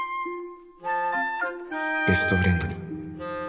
ベストフレンドに